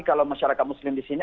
kalau masyarakat muslim di sini